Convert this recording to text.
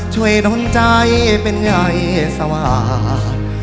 ช่วยดนใจเป็นใยสวรรค์